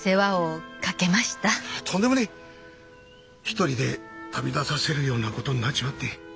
一人で旅立たせるような事になっちまって。